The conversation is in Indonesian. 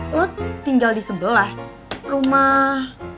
lo tinggal di sebelah rumah